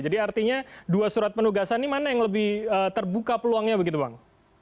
jadi artinya dua surat penugasan ini mana yang lebih terbuka peluangnya begitu bang